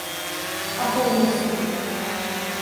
А то је истина.